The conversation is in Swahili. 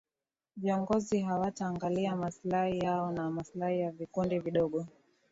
viongozi hawata angalia maslahi yao na maslahi ya vikundi vidogo